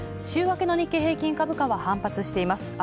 週明けの日経平均株価は反発しています。